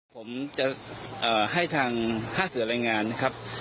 ผมจะให้ทางภาษาศึกษาแรงงานนะครับ